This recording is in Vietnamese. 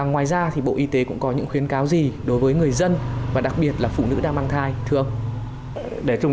ngoài ra thì bộ y tế cũng có những khuyến cáo gì đối với người dân và đặc biệt là phụ nữ đang mang thai thưa ông